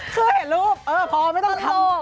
เคยเห็นรูปพอไม่ต้องทำ